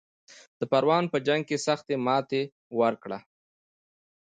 د پروان په جنګ کې سخته ماته ورکړه.